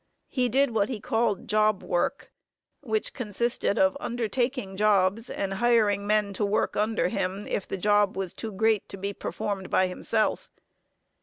He did what he called job work, which consisted of undertaking jobs, and hiring men to work under him, if the job was too great to be performed by himself.